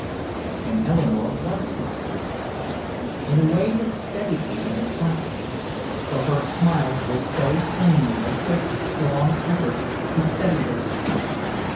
And Eleanore was smiling in a way that steadied me in a flash. For her smile was so plainly a quick, strong effort to steady herself.